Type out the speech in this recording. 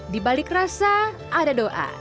di balik rasa ada doa